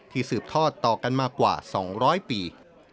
สืบทอดต่อกันมากว่า๒๐๐ปี